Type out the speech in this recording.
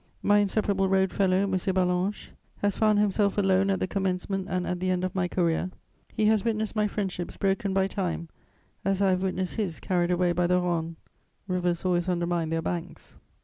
My inseparable road fellow, M. Ballanche, has found himself alone at the commencement and at the end of my career; he has witnessed my friendships broken by time as I have witnessed his carried away by the Rhone: rivers always undermine their banks.